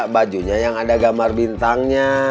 bajunya yang ada gambar bintangnya